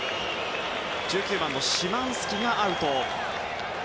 １９番のシマンスキがアウト。